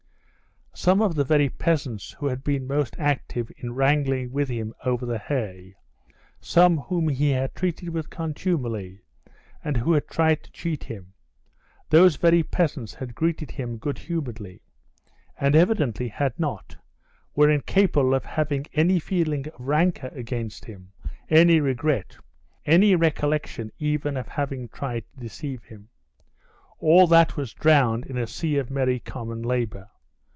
Some of the very peasants who had been most active in wrangling with him over the hay, some whom he had treated with contumely, and who had tried to cheat him, those very peasants had greeted him good humoredly, and evidently had not, were incapable of having any feeling of rancor against him, any regret, any recollection even of having tried to deceive him. All that was drowned in a sea of merry common labor.